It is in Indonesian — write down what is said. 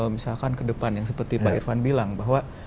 misalkan ke depan yang seperti pak irfan bilang bahwa